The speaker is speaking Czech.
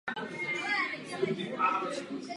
Působil jako novinář dělnického tisku a publicista.